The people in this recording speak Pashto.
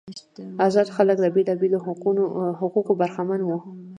آزاد خلک له بیلابیلو حقوقو برخمن وو.